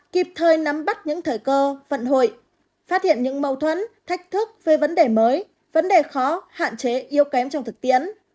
kịp thời nắm bắt những thời cơ vận hội phát hiện những mâu thuẫn thách thức về vấn đề mới vấn đề khó hạn chế yêu kém trong thực tiễn